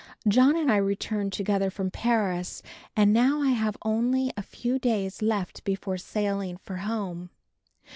John and I returned together from Paris and now I have only a few days left before sailing for home.